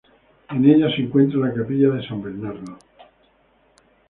En ella se encuentra la capilla de San Bernardo.